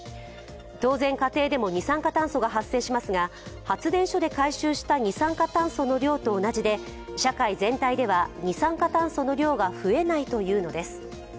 当然、家庭でも二酸化炭素が発生しますが発電所で回収した二酸化炭素の量と同じで社会全体では二酸化炭素の量が増えないというのです。